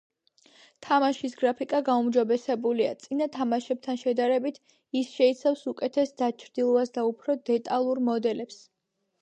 თამაშის გრაფიკა გაუმჯობესებულია წინა თამაშებთან შედარებით ის შეიცავს უკეთეს დაჩრდილვას და უფრო დეტალურ მოდელებს.